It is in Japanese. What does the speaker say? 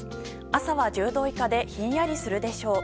朝は１０度以下でひんやりするでしょう。